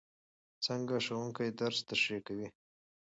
څنګه ښوونکی درس تشریح کوي؟